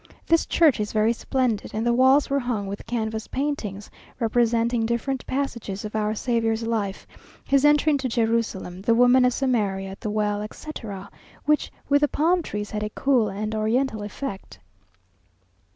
This church is very splendid, and the walls were hung with canvas paintings representing different passages of our Saviour's life; his entry into Jerusalem, the woman of Samaria at the well, etc., which, with the palm trees had a cool and oriental effect.